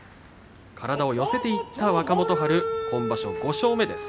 体を寄せていった若元春今場所５勝目です。